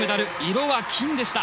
色は金でした。